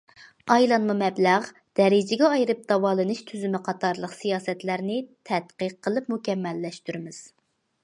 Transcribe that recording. ئايلانما مەبلەغ، دەرىجىگە ئايرىپ داۋالىنىش تۈزۈمى قاتارلىق سىياسەتلەرنى تەتقىق قىلىپ مۇكەممەللەشتۈرىمىز.